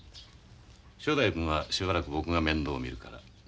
正太夫君はしばらく僕が面倒見るから。